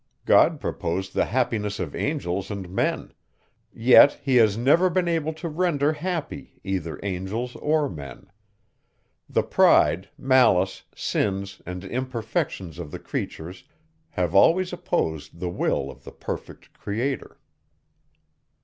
God proposed the happiness of angels and men; yet, he has never been able to render happy either angels or men; the pride, malice, sins, and imperfections of the creatures have always opposed the will of the perfect Creator.